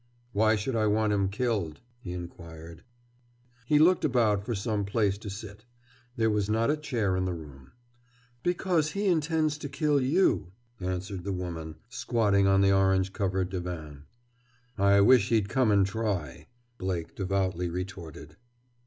"Why should I want him killed?" he inquired. He looked about for some place to sit. There was not a chair in the room. "Because he intends to kill you," answered the woman, squatting on the orange covered divan. "I wish he'd come and try," Blake devoutly retorted.